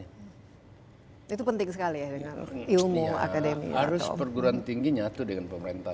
hai itu penting sekali dengan ilmu akademik harus perguruan tinggi nyatu dengan pemerintah